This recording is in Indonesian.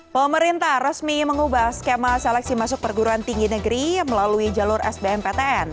pemerintah resmi mengubah skema seleksi masuk perguruan tinggi negeri melalui jalur sbmptn